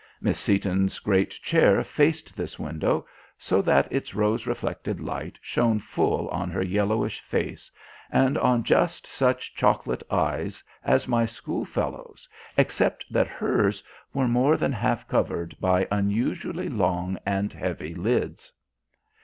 Miss Seaton's great chair faced this window, so that its rose reflected light shone full on her yellowish face, and on just such chocolate eyes as my schoolfellow's, except that hers were more than half covered by unusually long and heavy lids.